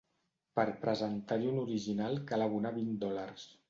Per presentar-hi un original cal abonar vint dòlars.